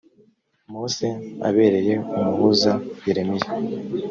mose abereye umuhuza yeremiya